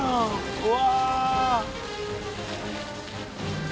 うわ！